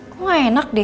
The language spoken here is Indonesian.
kok nggak enak deh